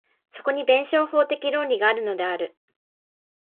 そこに弁証法的論理があるのである。